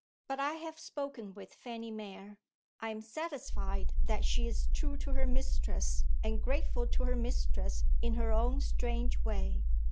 But I have spoken with Fanny Mere; I am satisfied that she is true to her mistress and grateful to her mistress in her own strange way.